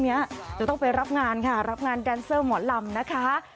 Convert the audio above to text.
จะต้องไปรับงานค่ะรับงานแดนเซอร์หมอลำนะคะ